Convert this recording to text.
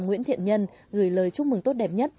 nguyễn thiện nhân gửi lời chúc mừng tốt đẹp nhất